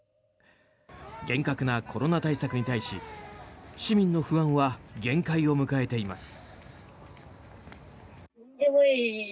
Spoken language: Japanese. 厳格なコロナ対策に対し市民の不安は限界を迎えています。